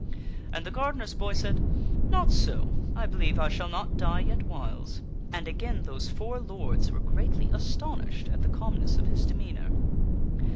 And the gardener's boy said :" Not so ; I believe I shall not die yet whiles." And again those four lords were greatly astonished at the calm ness of his demeanor.